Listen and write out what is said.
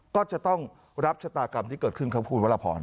ก็จะต้องรับชะตากรรมที่เกิดขึ้นครับคุณวรพร